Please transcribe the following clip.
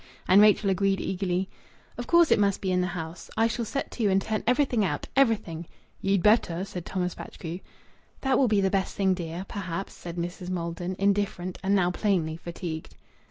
And Rachel agreed eagerly "Of course it must be in the house! I shall set to and turn everything out. Everything!" "Ye'd better!" said Thomas Batchgrew. "That will be the best thing, dear perhaps," said Mrs. Maldon, indifferent, and now plainly fatigued.